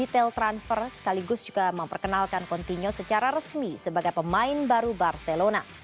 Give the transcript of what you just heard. retail transfer sekaligus juga memperkenalkan continuo secara resmi sebagai pemain baru barcelona